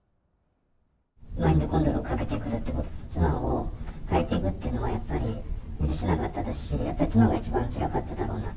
マインドコントロールをかけてくること、妻を変えていくっていうのは、やっぱり許せなかったですし、やっぱり妻が一番つらかっただろうなと。